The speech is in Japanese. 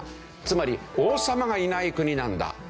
つまり王様がいない国なんだ。